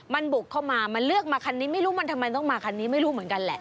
มันบุกเข้ามามันเลือกมาคันนี้ไม่รู้มันทำไมต้องมาคันนี้ไม่รู้เหมือนกันแหละ